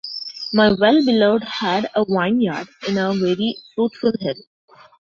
My well-beloved had a vineyard in a very fruitful hill.